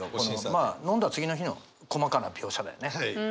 まあ飲んだ次の日の細かな描写だよね。